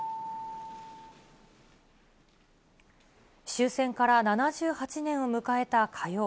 終戦から７８年を迎えた火曜。